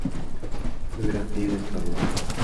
Biografía en español